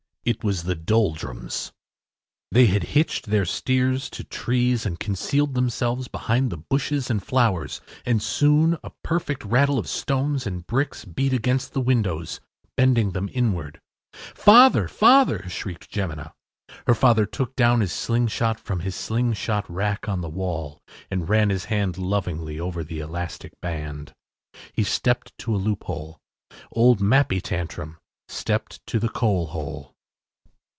It was the Doldrums. They had hitched their steers to trees and concealed themselves behind the bushes and flowers, and soon a perfect rattle of stones and bricks beat against the windows, bending them inward. “Father! father!” shrieked Jemina. Her father took down his slingshot from his slingshot rack on the wall and ran his hand lovingly over the elastic band. He stepped to a loophole. Old Mappy Tantrum stepped to the coalhole.